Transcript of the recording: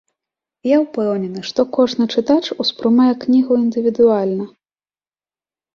Я ўпэўнены, што кожны чытач успрымае кнігу індывідуальна.